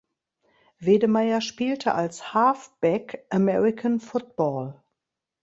Wedemeyer spielte als Halfback American Football.